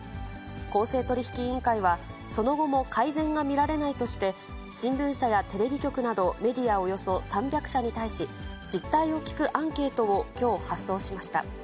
公正取引委員会は、その後も改善が見られないとして、新聞社やテレビ局などメディアおよそ３００社に対し、実態を聞くアンケートをきょう発送しました。